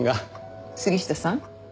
杉下さん